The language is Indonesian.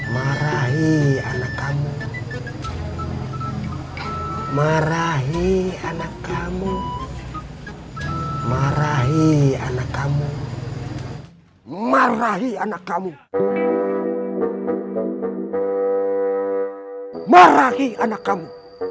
marahi anak kamu marahi anak kamu marahi anak kamu marahi anak kamu marahi anak kamu